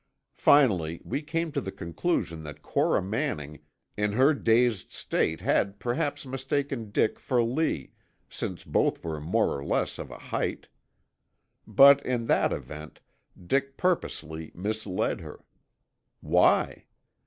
Finally we came to the conclusion that Cora Manning in her dazed state had, perhaps, mistaken Dick for Lee, since both were more or less of a height. But in that event, Dick purposely misled her. Why?